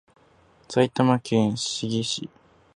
埼玉県志木市